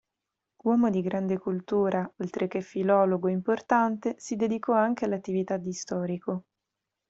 Uomo di grande cultura oltreché filologo importante, si dedicò anche all'attività di storico.